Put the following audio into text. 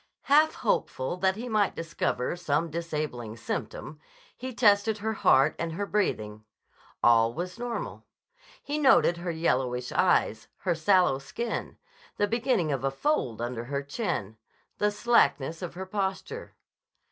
Half hopeful that he might discover some disabling symptom, he tested her heart and her breathing. All was normal. He noted her yellowish eyes, her sallow skin, the beginning of a fold under her chin, the slackness of her posture.